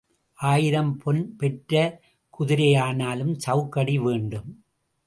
ஆயிரம் பொன் பெற்ற குதிரையானாலும் சவுக்கடி வேண்டும்.